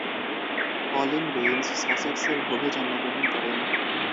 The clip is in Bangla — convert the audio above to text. পলিন বেইনস সাসেক্সের হোভে জন্মগ্রহণ করেন।